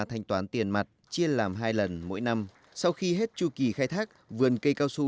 thanh toán tiền mặt chia làm hai lần mỗi năm sau khi hết chu kỳ khai thác vườn cây cao su